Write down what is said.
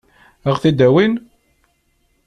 Ad ɣ-t-id-awin?